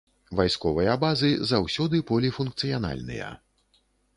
Вайсковыя базы заўсёды поліфункцыянальныя.